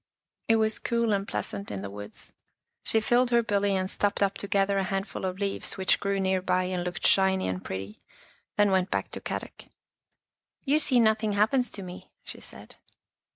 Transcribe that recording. It was cool and pleasant in the woods. She filled her billy and stopped to gather a handful of leaves which grew near by and looked shiny and pretty, then went back to Kadok. " You see nothing happens to me," she said.